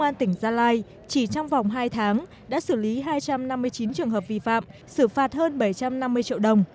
công an tỉnh gia lai chỉ trong vòng hai tháng đã xử lý hai trăm năm mươi chín trường hợp vi phạm xử phạt hơn bảy trăm năm mươi triệu đồng